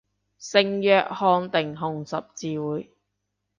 聖約翰定紅十字會